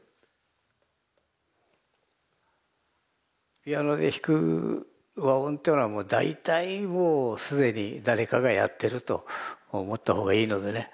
ピアノで弾く和音っていうのはもう大体もう既に誰かがやってると思ったほうがいいのでね。